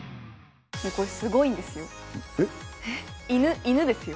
すごいんですよ。